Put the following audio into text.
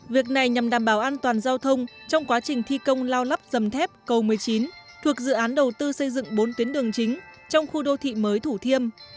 việc này nhằm đảm bảo an toàn giao thông trong quá trình thi công lao lắp dầm thép cầu một mươi chín thuộc dự án đầu tư xây dựng bốn tuyến đường chính trong khu đô thị mới thủ thiêm